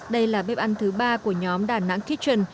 đây là bếp ăn thứ ba của nhóm đà nẵng kitchen